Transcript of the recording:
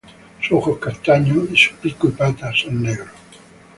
Su ojo es castaño y su pico y patas son negros.